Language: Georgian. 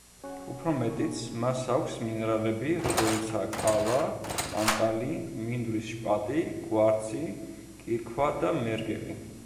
უფრო მეტიც, მას აქვს მინერალები, როგორიცაა: კალა, ტანტალი, მინდვრის შპატი, კვარცი, კირქვა და მერგელი.